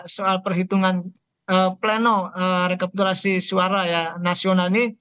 soal perhitungan pleno rekapitulasi suara ya nasional ini